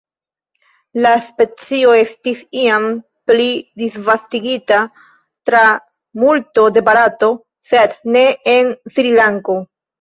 La specio estis iam pli disvastigita tra multo de Barato sed ne en Srilanko.